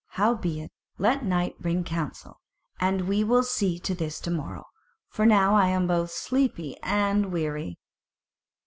Howbeit, let night bring counsel, and we will see to this to morrow; for now I am both sleepy and weary."